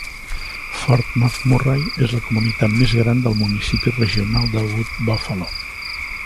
Fort McMurray és la comunitat més gran del municipi Regional de Wood Buffalo.